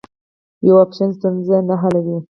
یو اپشن ستونزه نه حلوي.